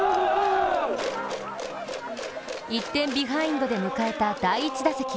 １点ビハインドで迎えた第１打席。